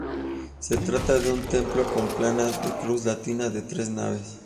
Se trata de un templo con planta de cruz latina de tres naves.